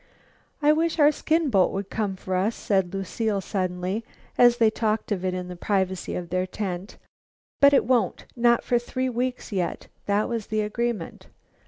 "I wish our skin boat would come for us," said Lucile suddenly, as they talked of it in the privacy of their tent. "But it won't, not for three weeks yet. That was the agreement."